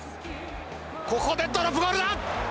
ここでドロップゴールだ。